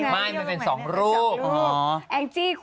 มันสองรูปไง